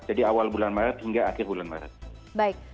jadi awal bulan maret hingga akhir bulan maret